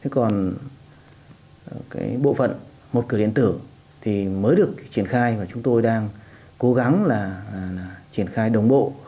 còn cái bộ phận một cửa điện tử thì mới được triển khai và chúng tôi đang cố gắng là triển khai đồng bộ